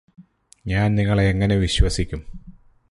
ഞാന് നിങ്ങളെ എങ്ങനെ വിശ്വസിക്കും